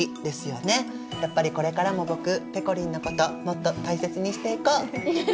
やっぱりこれからも僕ぺこりんのこともっと大切にしていこう！